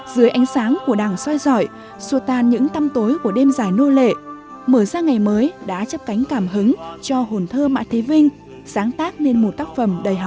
dưới ánh sáng của đảng xoay dọi xua tan những tâm tối của đêm dài nô lệ mê say